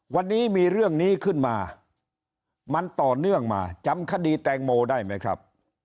วันนี้มีเรื่องนี้ขึ้นมามันต่อเนื่องมาจำคดีแตงโมได้ไหมครับ